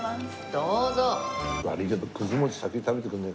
どうぞ！